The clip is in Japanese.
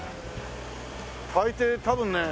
大抵多分ね